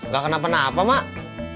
gak kenapa kenapa mak